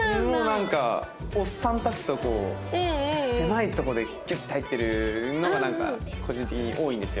なんかおっさんたちとこう狭いとこでキュッて入ってるのがなんか個人的に多いんですよ。